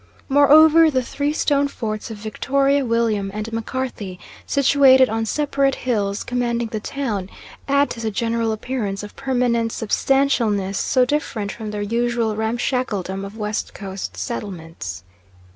Moreover, the three stone forts of Victoria, William, and Macarthy, situated on separate hills commanding the town, add to the general appearance of permanent substantialness so different from the usual ramshackledom of West Coast settlements.